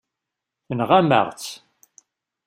Tenɣam-aɣ-tt.